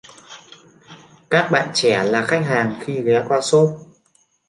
Các bạn trẻ là khách hàng khi ghé qua shop